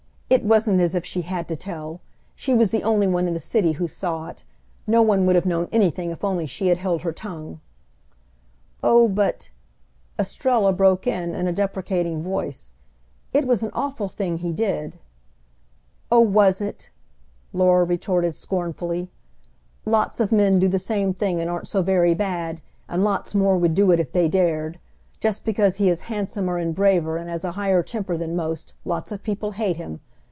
"It wasn't as if she had to tell. She was the only one in the city who saw it. No one would have known anything if only she had held her tongue!" "Oh, but," Estrella broke in, in a deprecating voice, "it was an awful thing he did!" "Oh, was it?" Laura retorted scornfully, "Lots of men do the same thing and aren't so very bad; and lots more would do it if they dared. Just because he is handsomer and braver and has a higher temper than most, lots of people hate him.